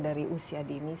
dari usia dinik